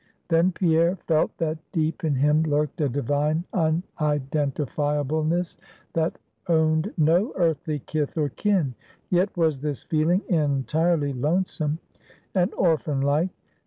Then Pierre felt that deep in him lurked a divine unidentifiableness, that owned no earthly kith or kin. Yet was this feeling entirely lonesome, and orphan like.